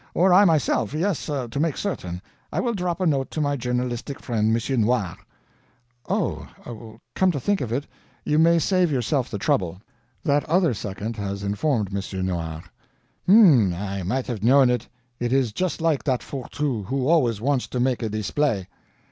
Or I myself yes, to make certain, I will drop a note to my journalistic friend, M. Noir " "Oh, come to think of it, you may save yourself the trouble; that other second has informed M. Noir." "H'm! I might have known it. It is just like that Fourtou, who always wants to make a display."